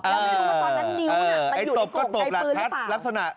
แล้วไม่รู้ว่าตอนนั้นนิ้วน่ะมันอยู่ในกล่องในปืนหรือเปล่า